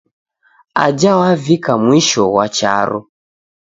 Aja wavika mwisho ghwa charo.